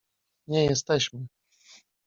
Nie jesteśmy.